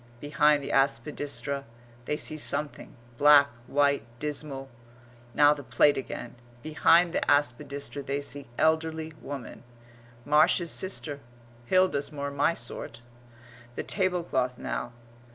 Behind the aspidistra they see something: black, white, dismal; now the plate again; behind the aspidistra they see elderly woman; "Marsh's sister, Hilda's more my sort;" the tablecloth now.